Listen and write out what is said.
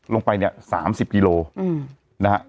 ลงไปเนี่ยสามสิบกิโลนะฮะ